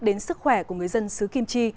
đến sức khỏe của người dân xứ kim chi